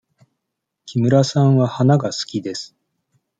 木村さんは花が好きです。